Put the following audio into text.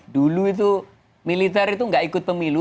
dulu itu militer itu nggak ikut pemilu